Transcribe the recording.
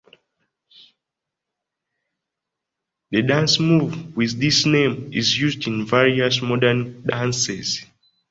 The dance move with this name is used in various modern dances.